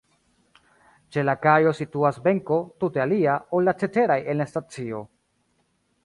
Ĉe la kajo situas benko, tute alia, ol la ceteraj en la stacio.